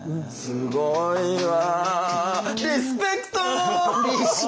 すごいわ！